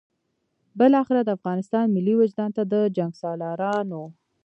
بالاخره د افغانستان ملي وجدان ته د جنګسالارانو.